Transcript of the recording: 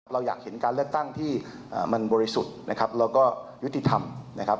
เราอยากเห็นการเลือกตั้งที่มันบริสุทธิ์นะครับแล้วก็ยุติธรรมนะครับ